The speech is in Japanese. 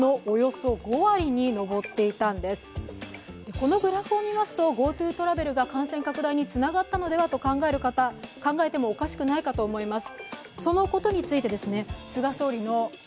このグラフを見ますと、ＧｏＴｏトラベルが感染拡大につながったのではと考えてもおかしくないかと思います。